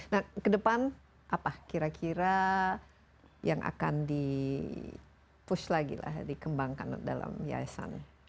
nah ke depan apa kira kira yang akan di push lagi lah dikembangkan dalam yayasan